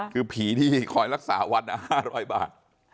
คือผีที่คอยรักษาวัด๕๐๐บาท